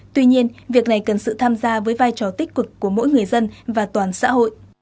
tuy nhiên việc này cần sự tham gia với vai trò tích cực của mỗi người dân và toàn xã hội